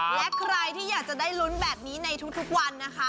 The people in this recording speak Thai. และใครที่อยากจะได้ลุ้นแบบนี้ในทุกวันนะคะ